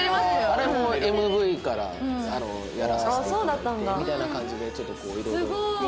あれもＭＶからやらさせていただいてみたいな感じでちょっとこういろいろ。